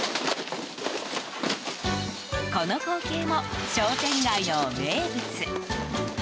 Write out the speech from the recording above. この光景も商店街の名物。